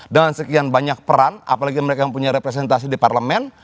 dengan sekian banyak peran apalagi mereka yang punya representasi di parlemen